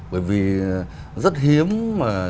bởi vì rất hiếm mà